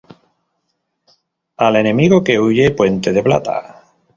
Al enemigo que huye, puente de plata